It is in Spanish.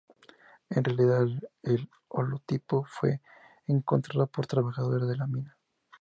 En realidad el holotipo fue encontrado por trabajadores de la mina.